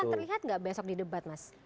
itu kan terlihat gak besok di debat mas